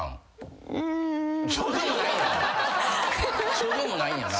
そうでもないんやな。